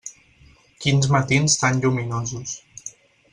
Quins matins tan lluminosos.